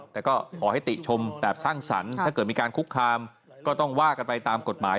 แต่ก็ขอให้ติชมแบบสร้างสรรค์ถ้าเกิดมีการคุกคามก็ต้องว่ากันไปตามกฎหมาย